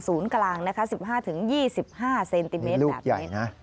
ศูนย์กลางนะคะ๑๕๒๕เซนติเมตรแบบนี้